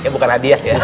bukan hadiah ya